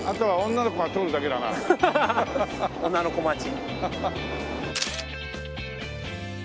女の子待ち。